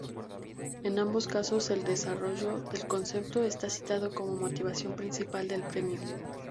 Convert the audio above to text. En ambos casos, el desarrollo del concepto está citado como motivación principal del premio.